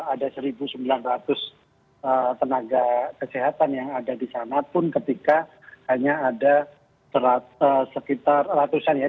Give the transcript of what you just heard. ada satu sembilan ratus tenaga kesehatan yang ada di sana pun ketika hanya ada sekitar ratusan ya